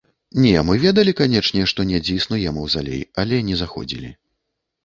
Не, мы ведалі, канечне, што недзе існуе маўзалей, але не заходзілі.